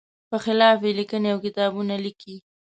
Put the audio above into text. په خلاف یې لیکنې او کتابونه لیکي.